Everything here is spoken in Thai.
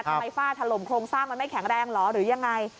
ทำไมฝ้าถล่มโครงสร้างมันไม่แข็งแรงหรือยังไง